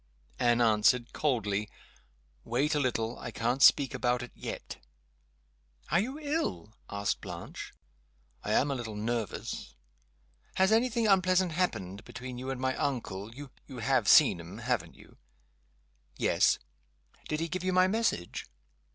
Anne answered, coldly, "Wait a little. I can't speak about it yet." "Are you ill?" asked Blanche. "I am a little nervous." "Has any thing unpleasant happened between you and my uncle? You have seen him, haven't you?" "Yes." "Did he give you my message?"